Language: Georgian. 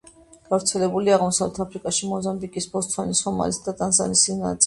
გავრცელებულია აღმოსავლეთ აფრიკაში მოზამბიკის, ბოტსვანის, სომალის და ტანზანიის ნაწილში.